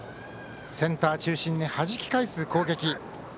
センター中心にはじき返す攻撃。